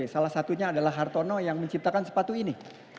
salah satunya adalah hartono yang menciptakan sepatu ini